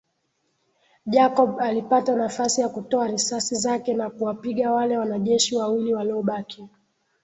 Jacob alipata nafasi ya kutoa risasi zake na kuwapiga wale wanajeshi wawili walobaki